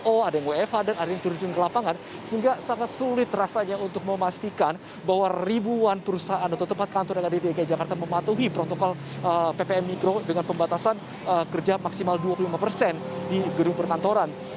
oh ada yang wfa dan ada yang turun ke lapangan sehingga sangat sulit rasanya untuk memastikan bahwa ribuan perusahaan atau tempat kantor yang ada di dki jakarta mematuhi protokol ppm mikro dengan pembatasan kerja maksimal dua puluh lima persen di gedung perkantoran